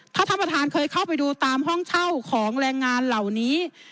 ถ้าท่านประธานเคยเข้าไปดูตามห้องเช่าของแรงงานเหล่านี้